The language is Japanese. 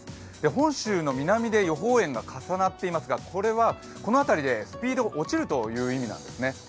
本州の南で予報円が重なっていますが、この辺りでスピードが落ちるという意味なんですね。